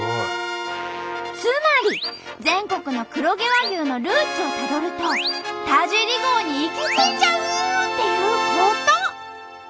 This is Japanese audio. つまり全国の黒毛和牛のルーツをたどると田尻号に行き着いちゃうっていうこと！